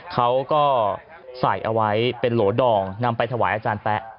เขาก็ใส่เอาไว้เป็นโหลดองนำไปถวายอาจารย์แป๊ะ